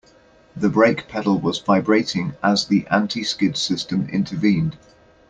The brake pedal was vibrating as the anti-skid system intervened.